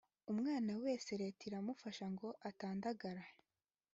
umwana wese leta iramufasha ngo atandagara